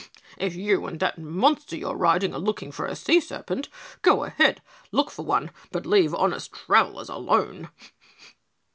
"If you and that monster you're riding are looking for a sea serpent, go ahead look for one, but leave honest travelers alone!"